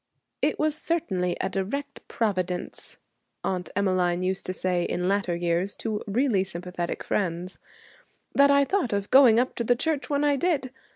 'It was certainly a direct Providence,' Aunt Emmeline used to say in later years to really sympathetic friends, 'that I thought of going up to the church when I did.